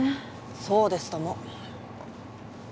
そうですとも！